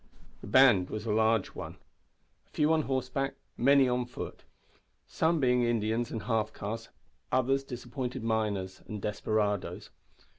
The band was a large one a few on horseback, many on foot; some being Indians and half castes, others disappointed miners and desperadoes.